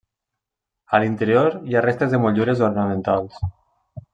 A l'interior hi ha restes de motllures ornamentals.